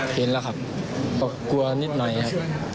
เห็นแล้วครับก็กลัวนิดหน่อยครับ